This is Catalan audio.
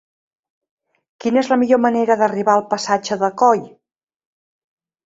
Quina és la millor manera d'arribar al passatge de Coll?